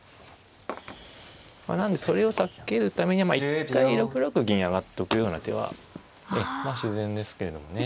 なんでそれを避けるためには一回６六銀上がっとくような手はまあ自然ですけれどもね。